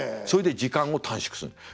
そいで時間を短縮する。